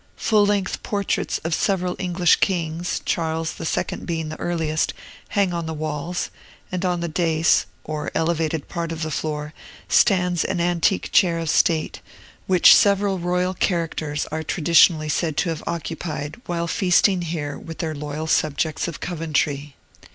Full length portraits of several English kings, Charles II. being the earliest, hang on the walls; and on the dais, or elevated part of the floor, stands an antique chair of state, which several royal characters are traditionally said to have occupied while feasting here with their loyal subjects of Coventry.